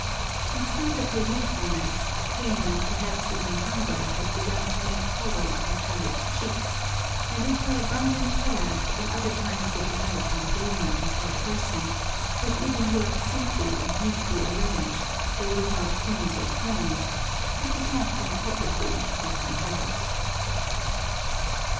In spite of her youthfulness, pain and perhaps even hunger had begun to make hollow her pallid cheeks, and if her abundant hair, in other times the delight and adornment of her person, was even yet simply and neatly arranged, though without pins or combs, it was not from coquetry but from habit.